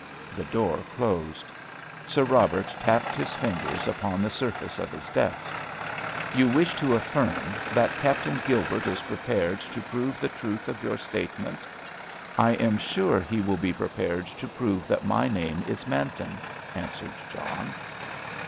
The door closed. Sir Robert tapped his fingers upon the surface of his desk. "You wish to affirm that Captain Gilbert is prepared to prove the truth of your statement?" "I am sure he will be prepared to prove that my name is Manton," answered John.